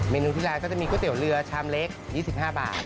นูที่ร้านก็จะมีก๋วยเตี๋ยวเรือชามเล็ก๒๕บาท